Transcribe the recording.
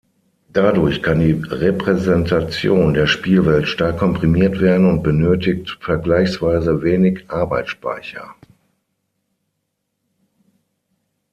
Dadurch kann die Repräsentation der Spielwelt stark komprimiert werden und benötigt vergleichsweise wenig Arbeitsspeicher.